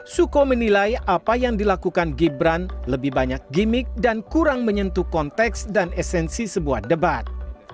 suko menilai apa yang dilakukan gibran lebih banyak gimmick dan kurang menyentuh konteks dan esensi sebuah debat